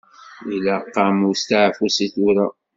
Ilaq-am usteɛfu seg tura.